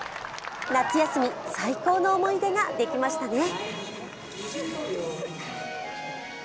夏休み、最高の思い出ができましたね。